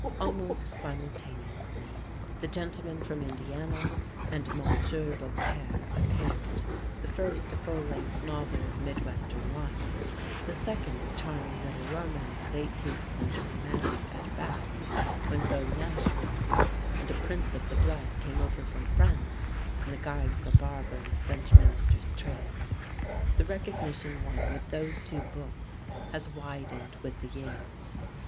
Almost simultaneously "The Gentleman from Indiana" and "Monsieur Beaucaire" appeared, the first a full length novel of mid western life, the second a charming little romance of eighteenth century manners at Bath when Beau Nash reigned and a Prince of the Blood came over from France in the guise of a barber in the French Minister's train. The recognition won with those two books has widened with the years.